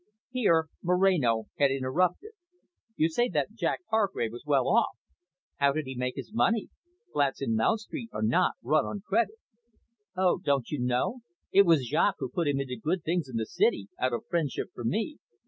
Here Moreno had interrupted. "You say that Jack Hargrave was well off. How did he make his money? Flats in Mount Street are not run on credit." "Oh, don't you know? It was Jaques who put him into good things in the City, out of friendship for me."